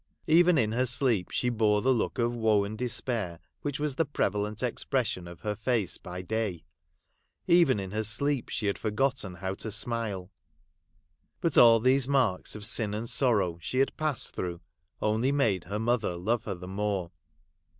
Even in her sleep she bore the look of woe and despair which was the prevalent ex pression of her face by day ; even in her sleep she had forgotten how to smile. But all these marks of the sin and sorrow she had passed through only made her mother love her the more.